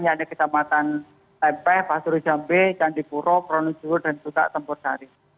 yaitu kecamatan tempe pasur jambi jantipuro pronojur dan suka tempok dari